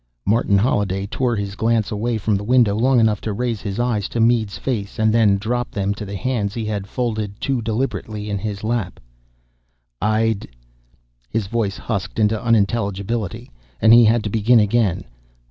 Martin Holliday tore his glance away from the window long enough to raise his eyes to Mead's face and then drop them to the hands he had folded too deliberately in his lap. "I'd " His voice husked into unintelligibility, and he had to begin again.